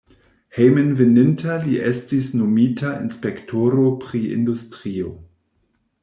Hejmenveninta li estis nomita inspektoro pri industrio.